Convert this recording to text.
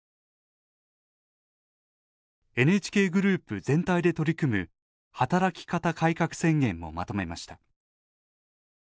ＮＨＫグループ全体で取り組む働き方改革宣言もまとめました。